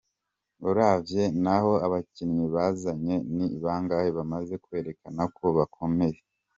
"Uravye na ho abakinyi bazanye, ni bangahe bamaze kwerekana ko bakome?.